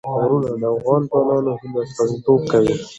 غرونه د افغان ځوانانو د هیلو استازیتوب کوي.